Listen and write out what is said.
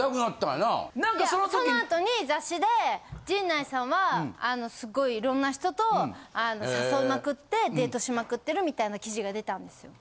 いやその後に雑誌で陣内さんはあのすごいいろんな人と誘いまくってデートしまくってるみたいな記事が出たんですよ。